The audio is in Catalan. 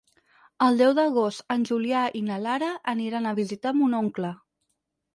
El deu d'agost en Julià i na Lara aniran a visitar mon oncle.